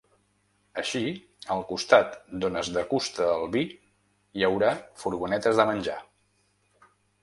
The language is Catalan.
Així, al costat d’on es degusta el vi hi haurà furgonetes de menjar.